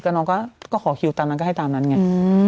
ก็ขอคิวเรื่องตามนั้นน้อยให้ตามนั้นไง